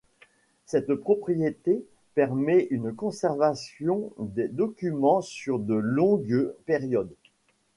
Cette propriété permet une conservation des documents sur de longues périodes.